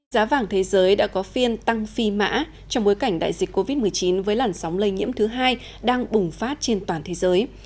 giá vàng thế giới đã có phiên tăng phi mã trong bối cảnh đại dịch covid một mươi chín với làn sóng lây nhiễm thứ hai đang bùng phát trên toàn thế giới